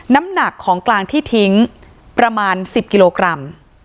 น้ำหนักของกลางที่ทิ้งประมาณ๑๐กิโลกรัม